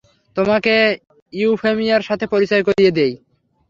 তোমাকে ইউফেমিয়ার সাথে পরিচয় করিয়ে দেই!